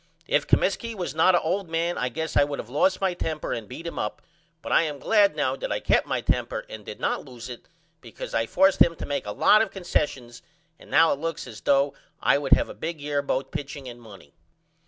If Comiskey was not a old man I guess I would of lost my temper and beat him up but I am glad now that I kept my temper and did not loose it because I forced him to make a lot of consessions and now it looks like as though I would have a big year both pitching and money.